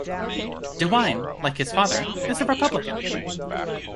DeWine, like his father, is a Republican.